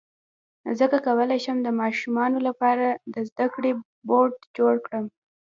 څنګه کولی شم د ماشومانو لپاره د زده کړې بورډ جوړ کړم